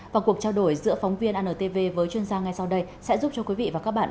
và cuộc trao đổi giữa phóng viên antv với chuyên gia ngay sau đây sẽ giúp cho quý vị và các bạn